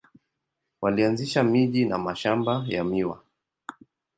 Walianzisha miji na mashamba ya miwa.